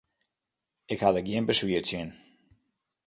Ik ha der gjin beswier tsjin.